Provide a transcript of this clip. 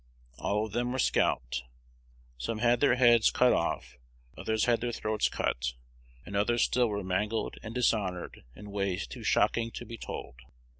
All of them were scalped; some had their heads cut off, others had their throats cut, and others still were mangled and dishonored in ways too shocking to be told.